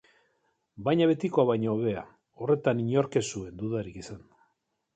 Baina betikoa baino hobea, horretan inork ez zuen dudarik izan.